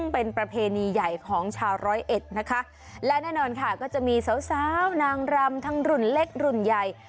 เป็นประเพณีใหญ่ของชาวร้อยเอ็ดนะคะและแน่นอนค่ะก็จะมีสาวสาวนางรำทั้งรุ่นเล็กรุ่นใหญ่